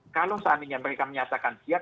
kalau saat ini mereka menyatakan siap